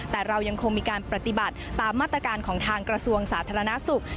แต่เรายังคงมีการปฏิบัติตามมาตรการของทางกระทรวงสาธารณสุข